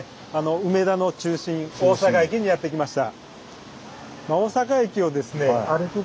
梅田の中心大阪駅にやって来ました。